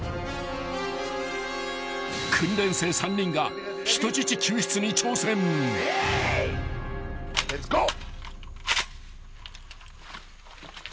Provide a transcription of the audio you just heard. ［訓練生３人が人質救出に挑戦］・レッツゴー！